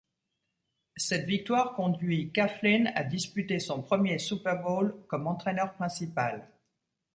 Cette victoire conduit Coughlin à disputer son premier Super Bowl comme entraîneur principal.